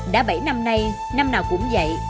đã bảy năm nay năm nào cũng vậy